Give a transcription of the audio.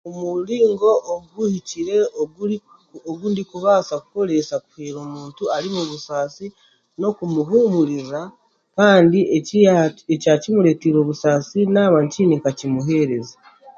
Omuringo oguhikire oguri ogundikubaasa kukozesa kuhwera omuntu ari mubusaasi n'okumuhuumuriza kandi ekyakimureetiire obusaasi naaba nkiine nka kimuheereza